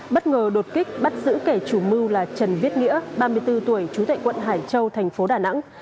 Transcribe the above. bất ngờ đột kích bắt giữ kẻ chủ mưu là trần viết nghĩa ba mươi bốn tuổi trú tại quận hải châu thành phố đà nẵng